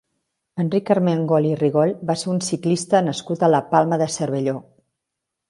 Enric Armengol i Rigol va ser un ciclista nascut a la Palma de Cervelló.